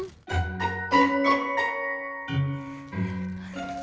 ya udah pulang